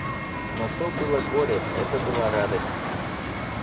Но то было горе, — это была радость.